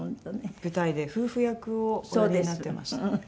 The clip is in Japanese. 舞台で夫婦役をおやりになってましたね。